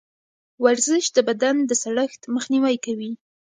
ورزش د بدن د سړښت مخنیوی کوي.